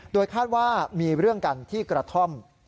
โดยคาดว่ามีเรื่องกันที่กระท่อม